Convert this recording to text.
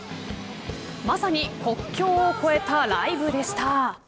まさに国境を越えたライブでした。